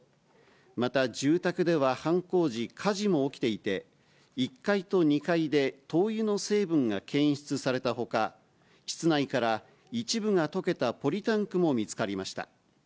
また住宅では犯行時、火事も起きていて、１階と２階で灯油の成分が検出されたほか、室内から一部が溶けたポリタンクも見つかりました。